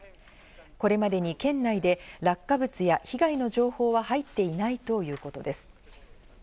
これまでに県内で落下物や被害の情報は入っていないということです。